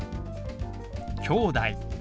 「きょうだい」。